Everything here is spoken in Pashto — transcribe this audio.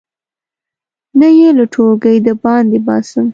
نه یې له ټولګي د باندې باسم.